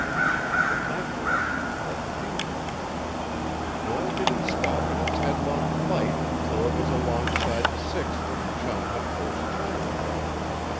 And in that direction fled the fugitive. Nor did it stop in its headlong flight until it was alongside the six which Chum had first "turned".